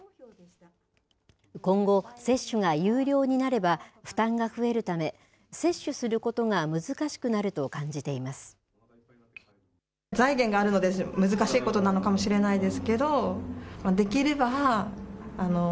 今後、接種が有料になれば、負担が増えるため、接種することが難しくなると感じています。